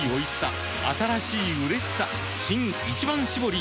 新「一番搾り」